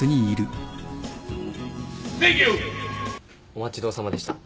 お待ち遠さまでした。